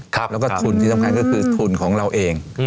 แล้วก็ทุนที่สำคัญก็คือทุนของเราเอง